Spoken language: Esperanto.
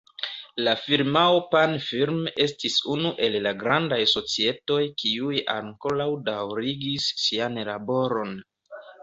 La firmao Pan-Film estis unu el la grandaj societoj, kiuj ankoraŭ daŭrigis sian laboron.